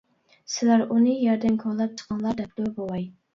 -سىلەر ئۇنى يەردىن كولاپ چىقىڭلار-دەپتۇ بوۋاي.